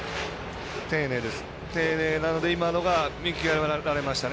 丁寧なので今のが見極められましたね。